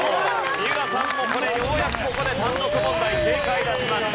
三浦さんもようやくここで単独問題正解出しました。